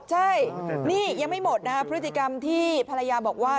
ใช่นี่ยังไม่หมดนะครับพฤติกรรมที่ภรรยาบอกว่า